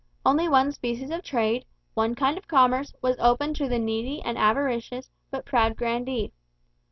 Only one species of trade, one kind of commerce, was open to the needy and avaricious, but proud grandee.